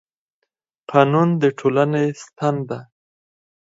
قانون د ټولنې ستن ده